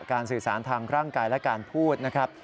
สื่อสารทางร่างกายและการพูดนะครับ